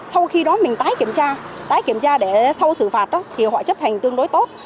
sau khi đó mình tái kiểm tra tái kiểm tra để sau xử phạt thì họ chấp hành tương đối tốt